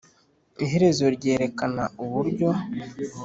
iherezo ryerekana uburyo